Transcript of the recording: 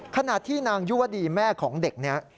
ขณะที่นางยุวดีแม่ของเด็กนี้